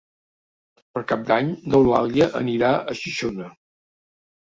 Per Cap d'Any n'Eulàlia anirà a Xixona.